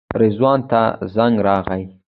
رضوان ته زنګ راغی.